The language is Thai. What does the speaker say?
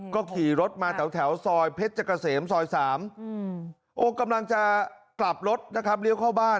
ก็ขี่รถมาแถวซอยเพชรเกษมซอย๓โอกำลังจะกลับรถนะครับเลี้ยวเข้าบ้าน